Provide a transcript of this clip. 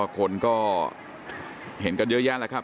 คนก็เห็นกันเยอะแยะแล้วครับ